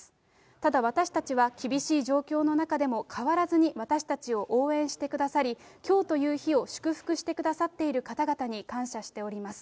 ただ私たちは、厳しい状況の中でも変わらずに私たちを応援してくださり、きょうという日を祝福してくださっている方々に感謝しております。